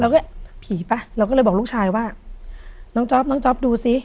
ว่าผีป่ะเราก็เลยบอกลูกชายว่าน้องจ๊อปน้องจ๊อปดูซิ